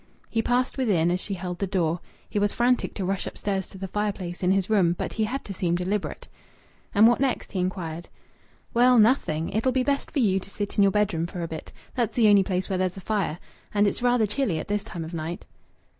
He passed within as she held the door. He was frantic to rush upstairs to the fireplace in his room; but he had to seem deliberate. "And what next?" he inquired. "Well, nothing. It'll be best for you to sit in your bedroom for a bit. That's the only place where there's a fire and it's rather chilly at this time of night."